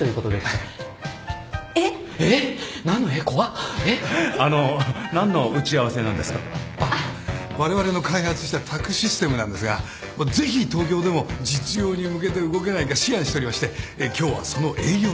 あっわれわれの開発した宅・システムなんですがぜひ東京でも実用に向けて動けないか思案しておりまして今日はその営業に。